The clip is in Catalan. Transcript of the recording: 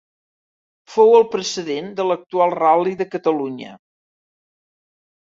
Fou el precedent de l'actual Ral·li de Catalunya.